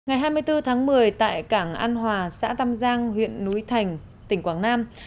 ngày hai mươi bốn tháng một mươi tại cảng an hòa xã tam giang huyện núi thành tỉnh quảng nam